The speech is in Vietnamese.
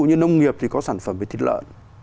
ví dụ như nông nghiệp thì có sản phẩm về thịt lợn